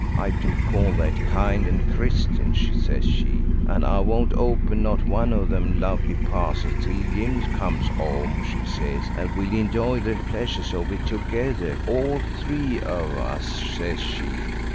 'I do call that kind and Christian,' says she, 'and I won't open not one of them lovely parcels till Jim comes 'ome,' she says, 'and we'll enjoy the pleasures of it together, all three of us,' says she.